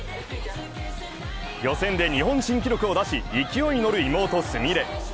予選で日本新記録を出し勢いに乗る妹・純礼。